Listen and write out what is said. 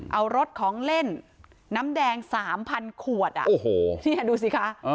เอารสของเล่นน้ำแดงสามพันขวดอ่ะโอ้โหนี่ดูสิคะอ๋อ